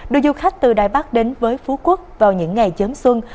đội du khách từ đài bắc đến với phú quốc vào những ngày chấm xuân